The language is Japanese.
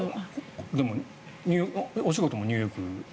お仕事もニューヨーク？